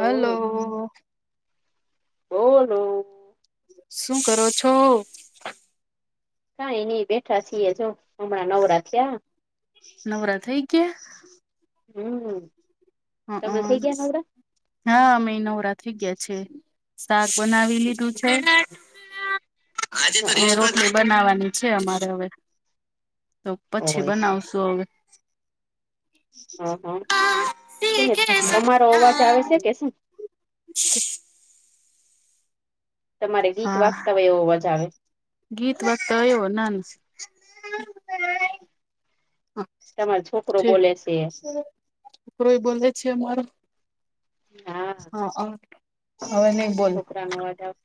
Hello! બોલો! શું કરો છો? કાંઈ ની બેઠા છીએ જો હમણાં નવરા થીયા. નવરા થઈ ગયા? હું... હ અ હા અમેય નવરા થઈ ગયા છે. શાક બનાવી લીધું છે. આજે તો. હં, બનાવાની છે અમારે હવે તો પછી હોય બનાવશું. તો. હ હ કેને તમારો અવાજ આવે સે કે શું? [inaudible] તમારે ગીત હા વાગતા હોય એવો અવાજ આવે. ગીત વાગતા હોય એવો! નાના. તમારો છોકરો બોલે છે એ. છોકરોય બોલે છે અમારો! હા અવે હવે નઈ બોલે. તાનવા જાવ.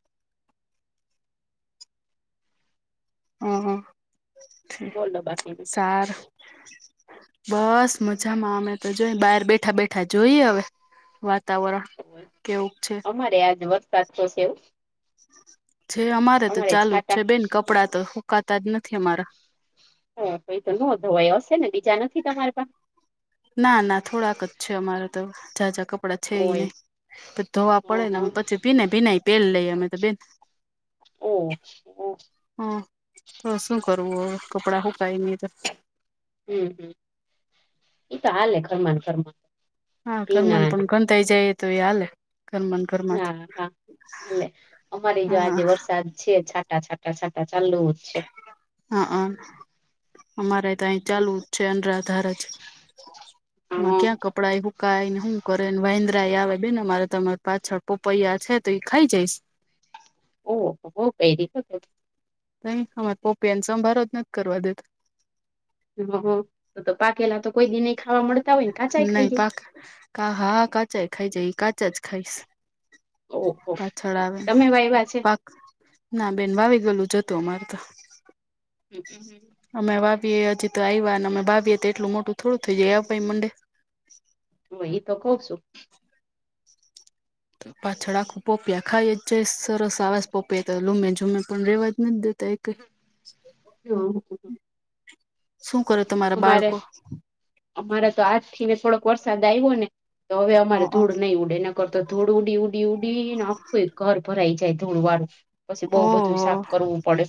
હ હ બોલો બાકી સારું. બસ મજામાં. અમે તો જોઈએ બાર બેઠા બેઠા જોઈએ અવે વાતાવરણ.. કેવું છે અમારે આજ વરસાદ તો સે... છે અમારે તો ચાલુ છાટા છે, બેન કપડાં તો હુંકાતા જ નથી અમારા.... હ પહીં તો નોંધોવાય અશે ને બીજા નથી તમારે પાસે.... ના ના થોડાક જ છે. અમારે તો ઝા ઝા કપડાં છેય નઇ. હોય ત ધોવા હ પડે હ ને અમે પછી ભીને ભીનાય પેર લઈએ અમે ત બેન... ઓ હ ઓકે. હ તો શું કરવુ અવે કપડા હુકાય ની ત? હું હું ઈ તો હાલે ઘર માં ને ઘર માં.... હા [inaudible] પણ ગંધાય જાયે તોયે હાલે [inaudible] ના હા લે અમારી જો હા આજે વરસાદ છે છાટા છાટા... છાટા છાટા ચાલુ જ છે. હા અ અમારે... તઈ ચાલુ છે અનરાધાર જ માં હા ક્યાં કપડા એ હું.. કાયને હું કરેને વાંદરા યે આવે બેન અમારે તો મારી પાછળ પપૈયા છે તો એ ખાઈ જઈશ. ઓ હો પેરી... તઇ અમા પપૈયાનો સંભાર નથી કરવા દેતો. હ તો તો પા... નહી ખાઈ જાય પાકા હા કાચા ઈ ખાઈ જાય કાચા... કાચા જ ખાઈશ ઓહો પાછળ આવે. તમે વાયવા છે ના બેન વાવી ગેલું જતું અમારે તો... હમ હમ... અમે વાવીએ હજી તો આવ્યાને અમે વાવીએ તો એટલું મોટું થોડું થઈ જાય આવાય મંડે... હ એ તો કઉ છું. પાછળ આખું પપૈયા ખાઈ જ જાય સરસ આવાસ પપૈયા તો લૂમે જુમે પણ રેવા જ નથી દેતા એકેઈ... [inaudible] હમ. શું કરે તમારા અમારે બાળકો? અમારે તો આજ થી થોડોક વરસાદ આવ્યો ને તો હવે અમારે હઅ ધૂળ નહી ઉડે નકર તો ધૂળ ઉડી ઉડી... ઉડી ઉડી ને આખું ઘર ભરાઈ જાય ધુલ વાડુ... પછી બહુ બધું ઓહો સાફ કરવું પડે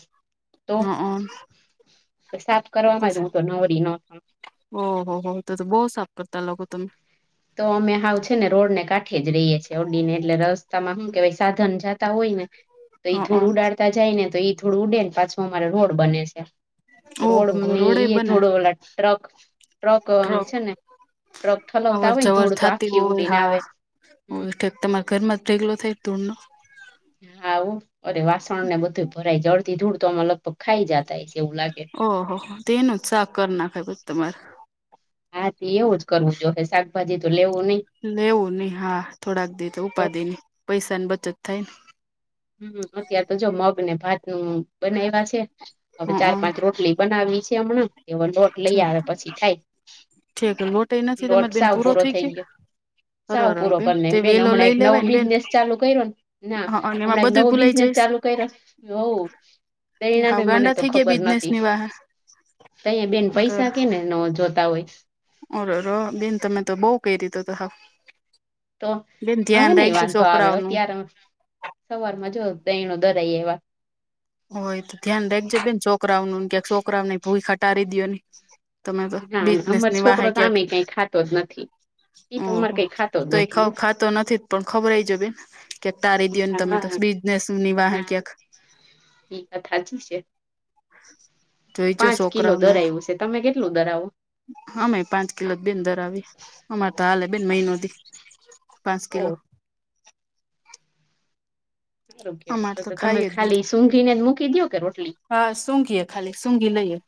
તો હઅ સાફ કરવા માં જ હું.... [unintelligible] ઓહ હો તો તો બહુ સાફ કરતા લાગો તમે.. તો અમે હાવ છે ને રોડ ને કાઠે જ રહીએ છીએ અડીને એટલે રસ્... શું કેવાય સાધન જાતા હોય ને તો એ હઅ ધૂળ ઉડાડતા... જાય ને તો ઈ ધુલ ઉડે ને પાછો અમારે રોડ બને છે રોડ ઓહોહો મને રોડે ઈ બને થોડો... ટ્રક ટ્રક આમ છે ને ટ્રક ઠલાવતો.... અવર જવર થતી હોય હા હમ તમારા ઘરમાં જ ઢગલો થાય ધુલ નો.... હા હો અરે વાસણ ને બધું ભરાય જાય અડધી ધૂડ તો અમે લગભગ ખાઈ જતા હશે છે એવું લાગે... ઓહ તો એનું જ શાક કરી નખાય પછી તમારે.. હા તી એવું જ કરવું જોહે શાકભાજી તો લેવું નહી.... લેવું નઈ હા થોડાક દી તો ઉપાધિ નહી પૈસા ની બચત થાય ને... અત્યારે તો જો મગ ને ભાત નું બનાવ્યા છે હવે ચાર ને પાંચ રોટલી.... બનાવી છે હમણાં એ લોટ હ લઈ આવે પછી થાય... ઠીક લોટ એ નથી લોટ તમારે બેન સાવ પૂરો થઈ થઇ ગયો. ગયો સાવ અરર પૂરો કરી તે નાખ્યું, બેન વેલો હમણાં લઈ એક નવો લેવાય ને બેન બિઝનેસ ચાલુ કર્યોને ના- હ અને એમાં હમણાં બધું નવો ભૂલાઈ બિઝનેસ જઈશ ચાલુ કર્યો? હોવ. તે હાવ દણાને મને ગાંડા તો થઈ ગયા ખબર બિઝનેસ નતી, ની વાહે તૈય બેન અરર પૈસા કેને નો જોત- [unintelligible] અરર ર બેન તમે તો બહું કઇરી તમે તો તો હાવ તો, બેન હવે ધ્યાન નહી રાખજો વાંધો આવે, છોકરાઓનું અત્યારે સવારમાં જો દયણું દરાઈ આવ્યા. ઓય તો ધ્યાન રાખજે બેન છોકરાઓ નું ક્યાક છોકરાઓને ભૂયખા ટારી દો નઈ. તમે તો ના ના અમાર બિઝનેસની વાહે છોકરો તો ક્યાંક આમે કઈ ખાતો જ નથી એ તો ઓહ અમારે કઈ ખાતો જ તો, એ નથી ને ખાતો નથી પણ ખવડવજે બેન કે- ટારી દયો ને, તમે તો બિઝનેસની વાહે ક્યાંક. ઇ વાત હાચી છે. જોઈજો પાંચ કિલો છોકરા ઓને. દરાયું છે તમે કેટલું દરાવો અમેય પાંચ કિલો જ બેન દરાવી, અમારે તો હાલે બેન મહિનો દી. પાંચ કિલો ઓ સારું અમારે કેવાય, તો તમે ખાઈ જ નહી ખાલી સૂઘીને જ મૂકી દયો કે રોટલી. હા સૂઘીએ [unintelligible] લઈએ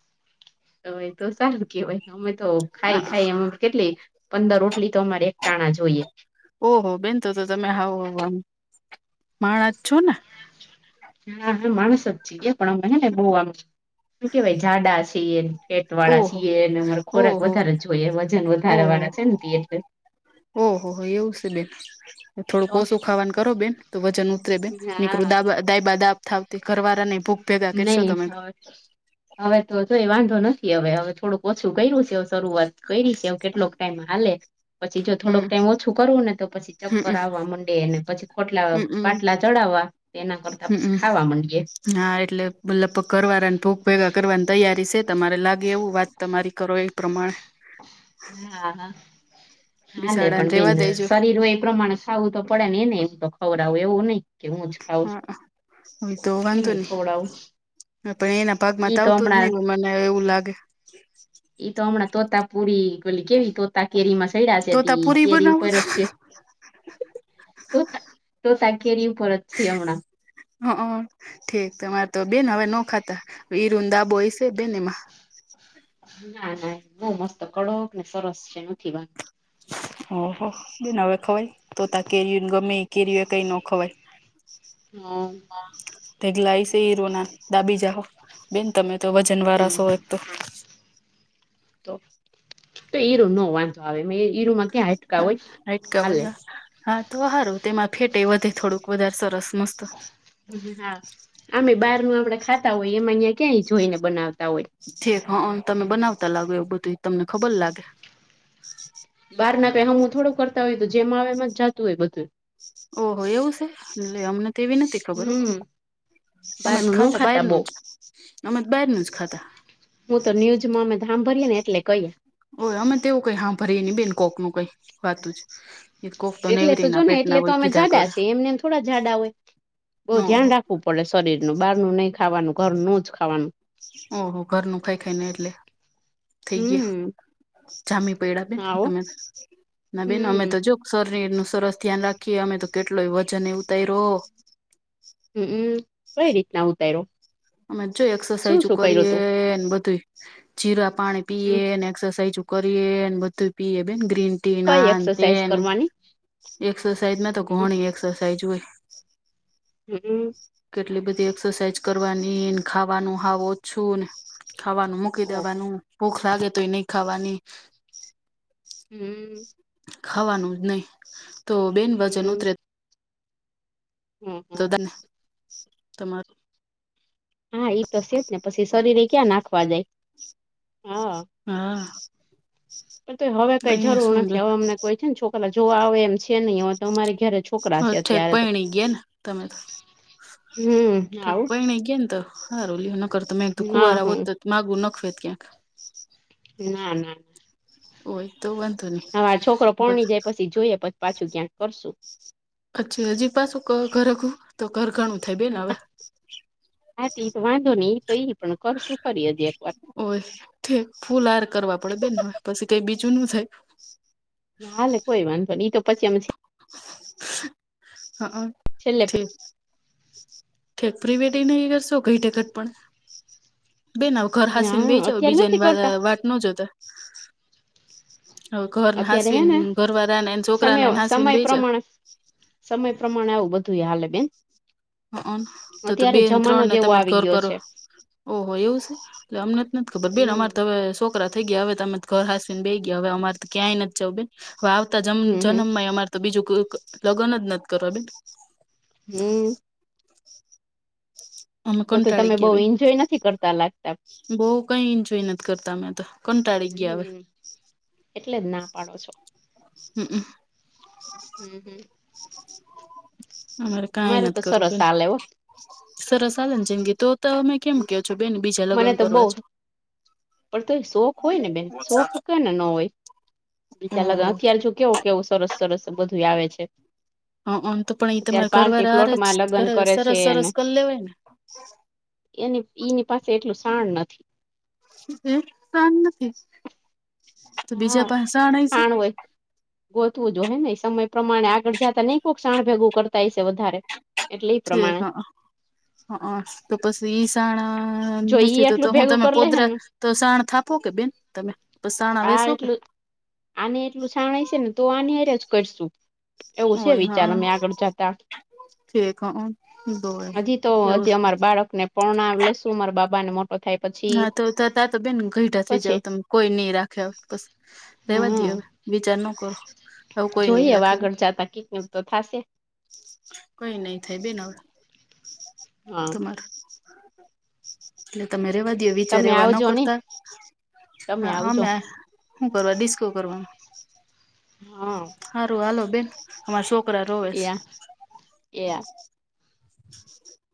તો સારું કેવાય, અમે તો ખાઈ ખાઈ અમે કેટલી - પંદર રોટલી તો અમારે એક ટાણા જોઈએ. ઓહો બેન, તો તો તમે હાવ આમ માણા જ છો ને? હા હા માણસ જ એ પણ અમે હેને બહુ આમ શું કેવાય જાડા છઈએ- પેટ વાળા ઓહો છઈએ, એને અમારે ખોરાક ઓહો વધારે જોઈએ વજન વધારે વાળા છે ને એટલે- ઓહ હો, એવું બેન, તો થોડું ખાવાનું કરો બેન તો વજન- નીકરુ હા દાબા દાબ થાવ તી ઘરવાળા ભૂ- નહી- [inaudible] હવે તો જોઈ વાંધો નથી, હવે હવે થોડુંક ઓછું કર્યું છે, શરૂઆત કરી છે કેટલોક ટાઈમ હાલે- પછી જો હમ થોડોક ટાઈમ ઓછું કરુ ને, તો પછી ચક્કર હમમ આવવા મંડે પછી બાટલા હમમ બાટલા ચડાવવા- તેના કરતા પસ હમમ ખાવા માંડીએ- હા એટલે મતલગ કરવાના ભૂગ ભેગા કરવાની તૈયારી છે તમારે લાગે- એવું વાત તમારી કરો- પ્રમાણે- હા હા હાલે બિસાડાને પણ બેન રેવા દેજો શરીર હો એ પ્રમાણે- ખાવું તો પડે ને ને એને એમ તો ખવરાવુ એવું નઈ- કે હું જ ખઉં હા એ તો વાંધો એનેય ખવડાવું- પણ એના ભાગમાં ઈ તો આવતું જ હમણાં નહી મને એવું લાગે- ઈ તો હમણાં તોતા પુરી ઓલી કેવી તોતા કેરીમાં- હઈરા છે, તો ત પૂરી કેરી બનાવો ઉપર હ જ છે. તોતા કેરી ઉપર જ છે હમણાં- હ ઠીક તમારે તો બેન હવે ન ખાતા, ઈરું નો દાબો હશે. બેન એમાં- ના ના બહુ મસ્ત નેકડક ને સરસ છે નથી વાંધ- ઓહો! બેનહવે ખવાય? તોતા કેરીયને ગમેઇ કેરી એકેય નોખવાય- [inaudible] હમ... ઢઈગલા ઈરો ના દાબી જા હો, બેન તમે તો વજન વાળા છો હમ એક તો- તો તો ઈરું માં ન વાંધો આવે. ઈરુમાં ક્યાં હાડકાં હા હોય? હાડકા હાલે- બધા હા તો સારું! તેમાં ફેટે વધે થોડુંક વધારે સરસ.. મસ્ત હા આમે બહાર નું આપડે ખાતા હોય, એમાં ન્યા ક્યાં એ જોઈને બનાવતા હોય. ઠીક હ તમે બનાવતા લાગો એવું બધું. તમને ખબર લાગે- બાર ના કંઈ સમૂ થોડું કરતા હોય. એતો જેમ આવે એમ જ જતું હોય બધું- ઓહો! એવું છે લે અમને તેવી નથી- ખબર હોય. હમ બહાર અમે તો નું ન ખાતા બઉ બહારનું જ અમે તો બારનું જ ખાતા- હું તો ન્યૂઝમાં અમે તો સાભરીએ ને એટલે કહીએ- ઓ અમે તેવું કંઈ સાંભરી એ નય. બેન કોક નું કંઈ વાતું જ- એ કોક એટલે તો નેવરી જો ના ને પેટ એટલે ના તો હોય અમે કીધા જાડા કરે છીએ. એમ નેમ થોડા જાડા હોય બઉ ધ્યાન ઓહો રાખવું. રાખવું પડે શરીરનું બહારનું નહીં ખાવાનું. ઘર નું જ ખાવાનું- ઓહ ઘરનું ખાઈ ખાઈને એટલે થઈ ગયો- હમ જામી પૈડા બેન આવો તમે. ના બેન અમે હમ તો જો- શરીર નું સરસ ધ્યાન રાખીએ અમે તો, કેટલોય વજન ઉતાયરો. હમમ! કઈ રીતના ઉતારીયો? અમે તો જો એક્સરસાઇઝ કરીએ ને બધું જીરા પાણી હમ પીએ ને એક્સરસાઇઝુ... કરીએ એને બધુંય પીયે બેન ગ્રીન. ના કઈ આ ન એક્સરસાઇઝ તેને કરવાની એક્સરસાઇઝ માં તો હમ ઘણી એક્સરસાાઈઝ હોય- હમમ - કેટલી બધી એક્સરસાાઈઝ કરવાનીને ખાવાનું હાવ ઓછું ને. ખાવાનું મૂકી ઓહો દેવાનું. ભૂખ લાગે તોય નહી ખાવાની. હમ- ખાવાનું જ નહી. તો બેન વજન હમ ઉતરે. હમ હમ દન તમા [inaudible] હા એતો છે જ ને પછી શરીરે ક્યાં નાખવા જાય? હા... હાઅ. પણ તો હવે કઈ જરૂર શું બે નથી. હવે અમને કોઈ છે ને છોકરા જોવા આવે એમ છે નહીં હવે તો અમારે ઘે હા ઠેક પૈણી ગ્યા ને તમે તા! હમ ઠેક આવું પૈણી ગ્યા ન તો હારું લ્યો ને ન કર તો મે કીધું હા કુવારા હોત હમ તો! માગું નખવેત ક્યાંક, ના -ના. હોય તો વાંધો નઈ. હવે આ છોકરો પૈણી જાય પછી જોઈએ, પછી પાછું ક્યાંક કરશું. અચ્છા હજી પાછું ઘર કરવુ? તો ઘર ઘણું થાય બેને હવે. હા ઈ તો વાંધો ની એ તો ઈ પણ કરશું ખરી હજી એક વાર. ઓય ઠીક ફૂલ હાર કરવા પડે બેન હવે પછી કંઈ બીજું ન થાય. હાલે કોઈ વાંધ ની ઈ તો પછી અમે છે ને, હા હ. છેલ્લે પે કે પ્રી વેડિંગ ન ઈ કરશો? ઘરડે ઘડપણ. બેન હવે ઘર હાસવીને બેહી હા જાવ. અત્યારે નથી બીજાની કરતા વાટ ન જોતા. હવે ઘરને અત્યારે હે ને હાસવીને ઘરવારા ને ન સમય છોકરાને ન હાસવીને સમય બેસી જાવ. પ્રમાણે સમય પ્રમાણે હવે બધુંય હાલે બેન. હ હ તો તો અત્યારે બેન જમાનો ત્રણ ને જેવો તમે ત આવી ઘર ગયો કરો. છે ઓહો એવું સે અમને તો નથી ખબર બેન હમ અમારે તો હવે સો કરા થઈ ગયા. હવે ત અમે ઘર હાસવીને બેહી ગયા હવે અમારે તો ક્યાંય નથી જવું બેન હવે આવતા જમ હમ હમ જનમ માંય અમારે તો બીજું કોક લગન જ નથી કરવા બેન હમ્મ અમે તો તો કંટાળી તમે બઉ એન્જોય નથી કરતા લાગતા. બઉ કઈ એન્જોય નથી કરતા અમેં તો કંટાળી ગયા હવે, હમ એટલે જ ના પાડો છો હ [unintelligible] હમ્મ [unintelligible] કાઈ અમારે તો નથી કરવું સરસ બેન હાલેે હો સરસ હાલે જિંદગી તો તમે કેમ કયો છો બેન બીજા લગન મને તો બઉ કરવા છે. પણ તોય શોખ હોય ને બેન શોખ કેને ન હોય. બીચા લગન હં અત્યાર જો કેવો કેવું સરસ- સરસ બધુંય આવે છે. [unintelligible] તો પણ ઈ અત્યારે તમારે પાર્ટી ઘરવારા હારે જ પ્લોટમાં લગ્ન ઘરે કરે છે સરસ સરસ એને કર લેવાય ને એની ઈની પાસે એટલું શાણ નથી. [inaudible] શાન નથી. તો હા બીજા પાસે શાન હશે સાણા હોય ગોતવું જોહે ને સમય પ્રમાણે આગળ નહી કોક શાણ ભેગુ કરતા હઈસે વધારે. એ ઠીક પ્રમાણે હ હ તો પછી ઈ સાણા જો ઈ નથી તો એટલું હું ભેગું તમે કરી લે હે પોદરા ને તો સાણ થાપો કે બેન તમે તો સાણા આ વેસો કે એટલું આને એટલું સાણ હયસે ને તો આની હાયરે જ કરશું. એવું છે વિચાર અમે આગળ જાતા ઠેક હઅ બવ એવું પણાવ લેશું મારા બાબા ને મોટો થાય પછી હા તો તા તો બેન ઘઈઢા થઈ જાવ પછી તમે કોઈ નઈ રાખે હવે પસી રેવા હા દયો હવે વિચાર ન કરો. હવે કોઈ નઈ જોઈએ હવે આગળ જતા કિક એવું તો થાશે. કંઇ નહીં થાય બેન હવે હા તમાર એટલે તમે રેવા દયો વિચાર તમે એવા ન આવજો ને કરતા. તમે હા આવજો અમે હું કરવા, ડિસ્કો કરવા. હા. હારું હાલો બેન અમાર છોકરા રોવેેશ. એ એ હા [inaudible]